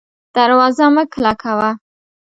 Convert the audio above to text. دروازه مه کلکه وه